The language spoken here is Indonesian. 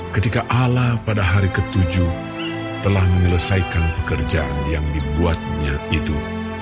ketika allah pada hari ketujuh telah menyelesaikan pekerjaan yang dibuatnya itu